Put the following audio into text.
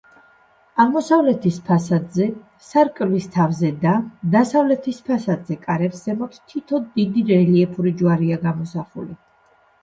აღმოსავლეთის ფასადზე, სარკმლის თავზე და დასავლეთის ფასადზე კარებს ზემოთ თითო დიდი რელიეფური ჯვარია გამოსახული.